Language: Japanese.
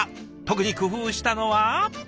特に工夫したのは。